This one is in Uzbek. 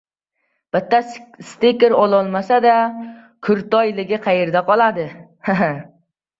Bitta stiker ololmasa, «krutoy»ligi qayda qoladi?